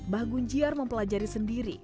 bah gunjiar mempelajari sendiri